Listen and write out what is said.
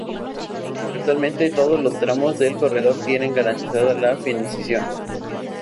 Actualmente, todos los tramos del Corredor tienen garantizada la financiación.